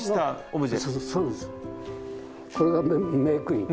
これがメークイン。